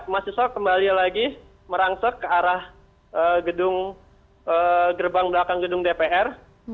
mahasiswa kembali lagi merangsek ke arah gedung gerbang belakang gedung dpr